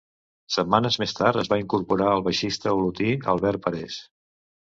Setmanes més tard es va incorporar el baixista olotí Albert Parés.